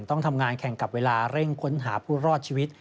ต้องทำงานแข่งกับเวลาเร่งค้นหาผู้รอดชีวิต